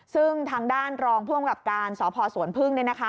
ซึ่งทางด้านรองพ่วงกับการสพสวนพึ่งเนี่ยนะคะ